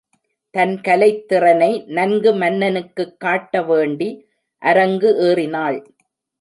தன் கலைத் திறனை நன்கு மன்னனுக்குக் காட்ட வேண்டி அரங்கு ஏறினாள்.